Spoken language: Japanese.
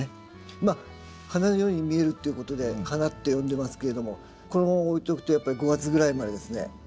まあ花のように見えるっていうことで花って呼んでますけれどもこのまま置いておくとやっぱり５月ぐらいまでですね残っています。